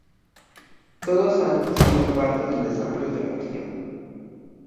Todos han sido parte del desarrollo de la región.